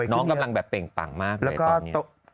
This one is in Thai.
น้องกำลังแบบเป่งปังมากเลยตอนนี้